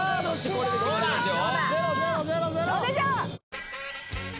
これで決まりますよ。